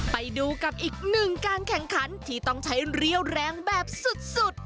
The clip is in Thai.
ไปดูกับอีกหนึ่งการแข่งขันที่ต้องใช้เรี่ยวแรงแบบสุด